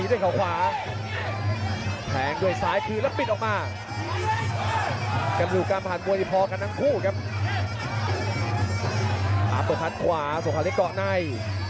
ส่วนขาดขวาส่วนขาดเล็กเกาะใน